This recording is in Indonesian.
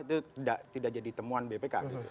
itu tidak jadi temuan bpk gitu